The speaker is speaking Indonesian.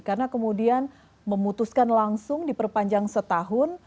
karena kemudian memutuskan langsung di perpanjang setahun